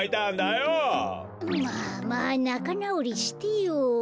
まあまあなかなおりしてよ。